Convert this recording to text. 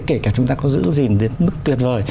kể cả chúng ta có giữ gìn đến mức tuyệt vời